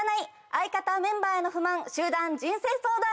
相方・メンバーへの不満集団人生相談！